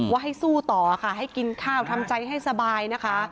ว่าให้สู้ต่อค่ะให้กินข้าวทำใจให้สบายนะคะ